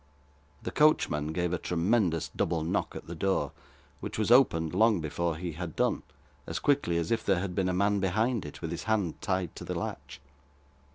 The coachman gave a tremendous double knock at the door, which was opened long before he had done, as quickly as if there had been a man behind it, with his hand tied to the latch.